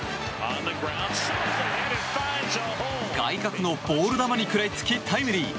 外角のボール球に食らいつきタイムリー。